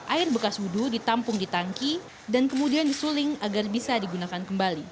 air bekas wudhu ditampung di tangki dan kemudian disuling agar bisa digunakan kembali